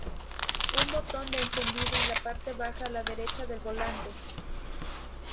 Un botón de encendido en la parte baja a la derecha del volante.